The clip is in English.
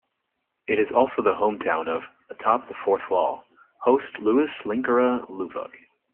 It is also the hometown of "Atop the Fourth Wall" host Lewis "Linkara" Lovhaug.